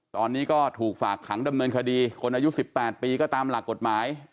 ตอนนี้ก็ถูกฝากขังดำเนินคดีคนอายุ๑๘ปีก็ตามหลักกฎหมาย